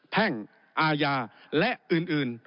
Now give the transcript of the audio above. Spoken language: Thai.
แพ่งอาญาและอื่น